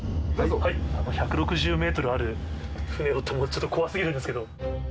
１６０メートルある船だと思うと、ちょっと怖すぎるんですけど。